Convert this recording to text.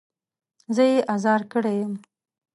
زه يې ازار کړی يم.